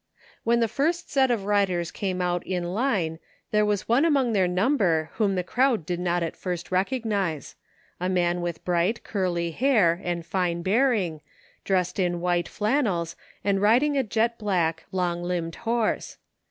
When the first set of riders came out in line there was one among their number whom the crowd did not at first recognize; a man with bright, curly hair and fine bearing, dressed in white flannels and riding a jet black, long limbed horse.